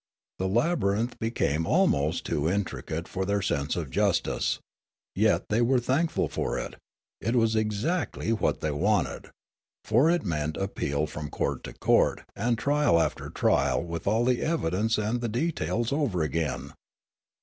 The laby rinth became almost too intricate for their sense of justice. Yet they were thankful for it; it was ex actly what they wanted ; for it meant appeal from court to court, and trial after trial with all the evidence and the details over again.